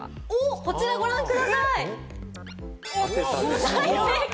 こちらご覧ください、大正解！